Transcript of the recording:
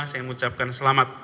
saya mengucapkan selamat